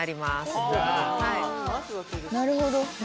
なるほど。